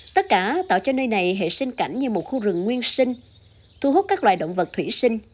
tất cả tạo cho nơi này hệ sinh cảnh như một khu rừng nguyên sinh thu hút các loài động vật thủy sinh